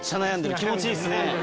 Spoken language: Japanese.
気持ちいいっすね。